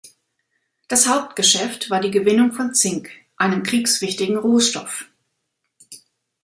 Das Hauptgeschäft war die Gewinnung von Zink, einem kriegswichtigen Rohstoff.